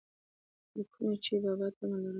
دَکومې چې بابا طمع لرله،